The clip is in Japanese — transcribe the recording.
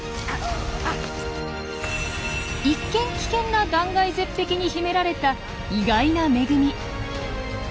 一見危険な断崖絶壁に秘められた意外な恵み。